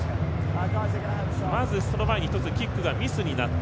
まずその前に１つキックがミスになった。